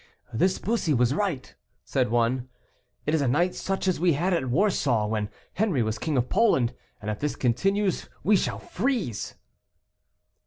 "This Bussy was right," said one; "it is a night such as we had at Warsaw, when Henri was King of Poland, and if this continues we shall freeze."